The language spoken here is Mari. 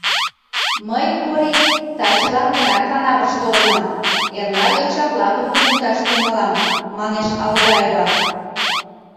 — Мый, Кори, тачылан гына канавыш толынам, эрла йоча-влакым туныкташ тӱҥалам, — манеш Алгаева.